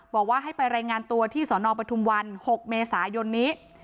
บอกว่าให้ไปรายงานตัวที่สนปทุมวัน๖เมษายนนี้